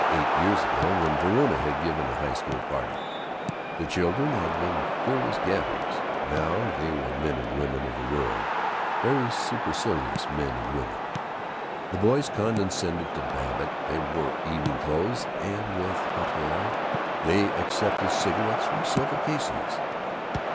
Eight years ago, when Verona had given a high school party, the children had been featureless babies. Now they were men and women of the world, very supercilious men and women; the boys condescended to Babbitt, they wore evening clothes, and with hauteur they accepted cigarettes from silver cases.